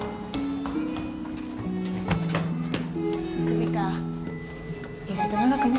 首か。